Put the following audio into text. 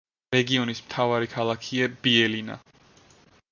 რეგიონის მთავარი ქალაქია ბიელინა.